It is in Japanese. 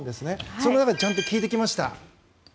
その中でちゃんと聞いてきました。